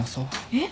えっ？